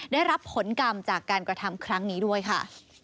ได้รับผลกรรมจากการกระทำครั้งนี้ด้วยค่ะ